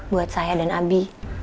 buat saya dan abi